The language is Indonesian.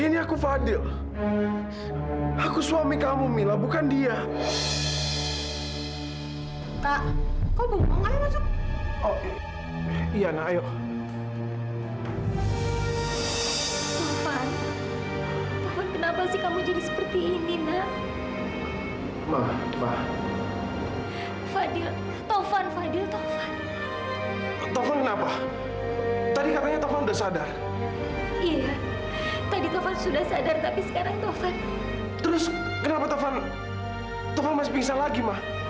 enggak kamu gak boleh pergi